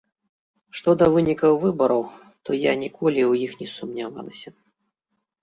Што да вынікаў выбараў, то я ніколі ў іх не сумнявалася.